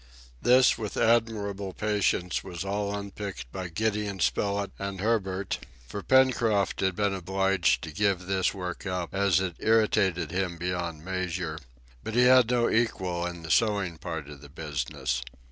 This with admirable patience was all unpicked by Gideon Spilett and Herbert, for Pencroft had been obliged to give this work up, as it irritated him beyond measure; but he had no equal in the sewing part of the business.